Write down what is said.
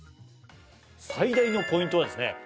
最大のポイントはですね